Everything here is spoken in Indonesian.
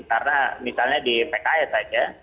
karena misalnya di pks saja